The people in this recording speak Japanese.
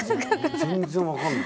全然分かんない。